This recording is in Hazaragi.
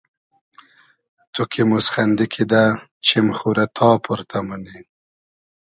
تو کی موسخئندی کیدہ چیم خو رۂ تا پۉرتۂ مونی